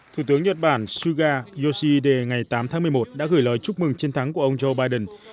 thủ tướng nhật bản suga yoshihide ngày tám tháng một mươi một đã gửi lời chúc mừng chiến thắng của ông joe biden